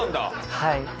はい。